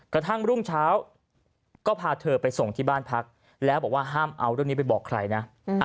กระทั่งรุ่งเช้าก็พาเธอไปส่งที่บ้านพักแล้วบอกว่าห้ามเอาเรื่องนี้ไปบอกใครนะ